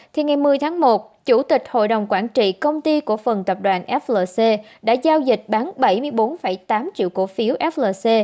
thì ngày một mươi tháng một chủ tịch hội đồng quản trị công ty cổ phần tập đoàn flc đã giao dịch bán bảy mươi bốn tám triệu cổ phiếu flc